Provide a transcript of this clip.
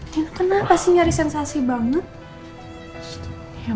dan kenapa sih mencari sensasi banget